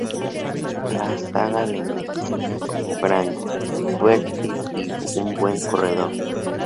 La saga le menciona como grande, fuerte, y un buen corredor.